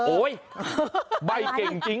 โอ๊ยใบเก่งจริง